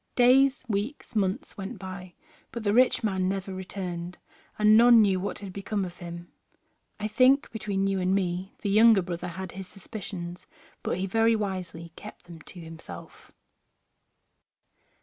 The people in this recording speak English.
Days, weeks, months went by, but the rich man never returned, and none knew what had become of him. I think, between you and me, the younger brother had his suspicions but he very wisely kept them to himself.